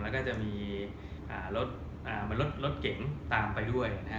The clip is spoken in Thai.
แล้วก็จะมีรถเก๋งตามไปด้วยนะฮะ